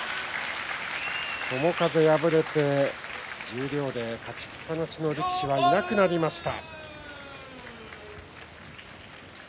友風、敗れて十両で勝ちっぱなしの力士はいなくなりました。